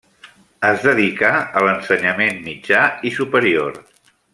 Es dedicà a l'ensenyament mitjà i superior.